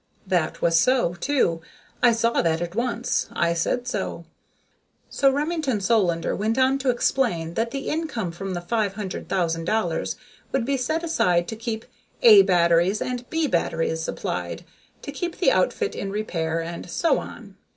That was so, too. I saw that at once. I said so. So Remington Solander went on to explain that the income from the five hundred thousand dollars would be set aside to keep "A" batteries and "B" batteries supplied, to keep the outfit in repair, and so on.